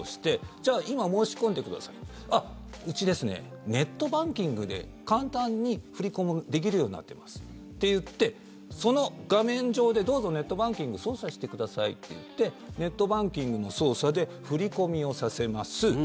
じゃあ、今申し込んでください。あっ、うちですねネットバンキングで簡単に振り込みできるようになってますと言ってその画面上でどうぞネットバンキング操作してくださいと言ってネットバンキングの操作で振り込みをさせます。